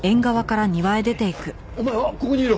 お前はここにいろ。